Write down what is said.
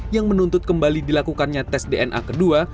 yang menuntut kembali dilakukannya tes dna kedua